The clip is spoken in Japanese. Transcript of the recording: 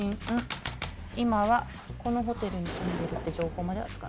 今はこのホテルに住んでるって情報まではつかんだ。